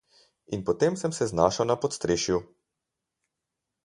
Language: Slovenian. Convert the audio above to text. In potem sem se znašel na podstrešju!